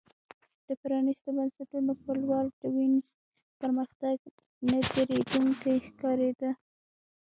د پرانیستو بنسټونو په لور د وینز پرمختګ نه درېدونکی ښکارېده